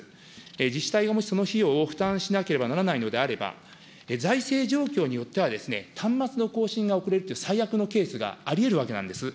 自治体がもしその費用を負担しなければならないのであれば、財政状況によっては、端末の更新が遅れるという最悪のケースがありえるわけなんです。